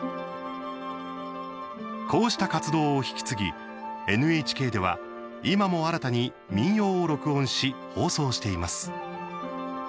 こうした活動を引き継ぎＮＨＫでは今も新たに民謡を録音し、放送しています。